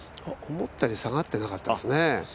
思ったより下がってなかったですね。